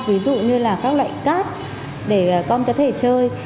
ví dụ như là các loại cát để con có thể chơi